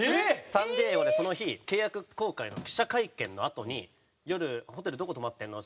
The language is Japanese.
サンディエゴでその日契約更改の記者会見のあとに夜ホテルどこ泊まってるの？って。